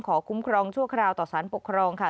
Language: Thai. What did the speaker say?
คุ้มครองชั่วคราวต่อสารปกครองค่ะ